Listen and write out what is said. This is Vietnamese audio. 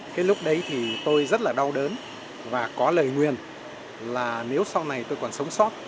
cái lúc đấy thì tôi rất là đau đớn và có lời nguyên là nếu sau này tôi còn sống sót